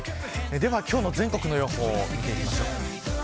では今日の全国の予報を見ていきましょう。